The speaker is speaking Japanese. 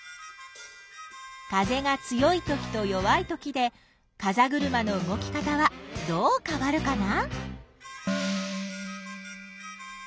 風が強いときと弱いときでかざぐるまの動き方はどうかわるかな？